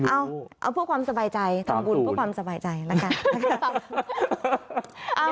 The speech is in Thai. เอ้าเอาเพื่อความสบายใจทำบุญเพื่อความสบายใจละกัน